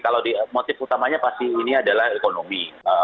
kalau motif utamanya pasti ini adalah ekonomi